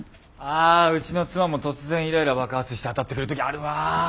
あうちの妻も突然イライラ爆発して当たってくる時あるわ。